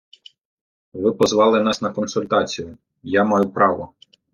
Ви позвали нас на консультацію, я маю право...